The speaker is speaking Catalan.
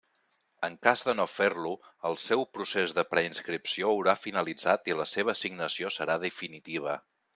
En cas de no fer-lo, el seu procés de preinscripció haurà finalitzat i la seva assignació serà definitiva.